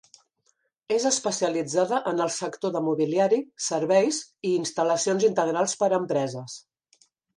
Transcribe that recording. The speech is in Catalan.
És especialitzada en el sector de mobiliari, serveis i instal·lacions integrals per a empreses.